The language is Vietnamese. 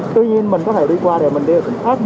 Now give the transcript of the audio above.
tuy nhiên mình có thể đi qua để mình đi vào thành phố khác